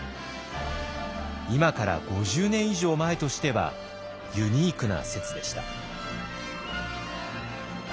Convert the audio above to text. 今から５０年以上前としてはユニークな説でした。